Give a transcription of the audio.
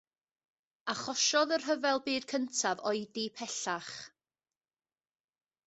Achosodd y Rhyfel Byd Cyntaf oedi pellach.